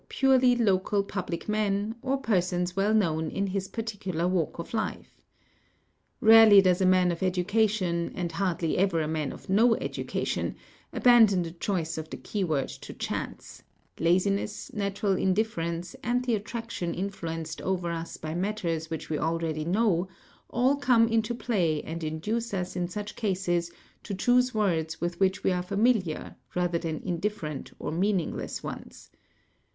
purely local public men, or persons well known in his particular walk of life. Rarely does a man of educa tion, and hardly ever a man of no education, abandon the choice of the key word to chance—laziness, natural indifference, and the attraction influenced over us by matters which we already know, all come into play and induce us in such cases to choose words with which we are familiar : rather than indifferent or meaningless ones.